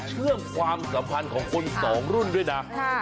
เชื่อมความสัมพันธ์ของคนสองรุ่นด้วยนะ